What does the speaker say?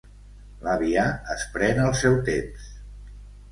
L'àvia es pren el seu temps.